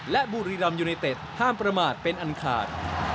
และบุรีรำยูไนเต็ดห้ามประมาทเป็นอันขาด